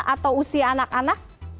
atau usia anak anak